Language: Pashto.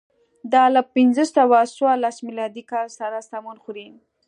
دا له پنځه سوه څوارلس میلادي کال سره سمون خوري.